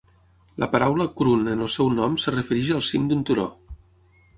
La paraula "kroon" en el seu nom es refereix al cim d'un turó.